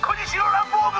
ランボーグ！